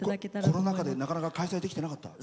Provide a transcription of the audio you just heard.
コロナ禍でなかなか開催できてなかった？